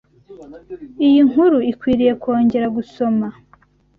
Iyi nkuru ikwiriye kongera gusoma.